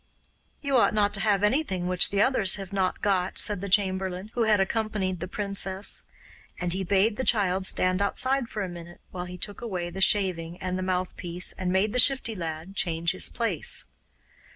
'You ought not to have anything which the others have not got,' said the chamberlain, who had accompanied the princess; and he bade the child stand outside for a minute, while he took away the shaving and the mouthpiece, and made the Shifty Lad change his place.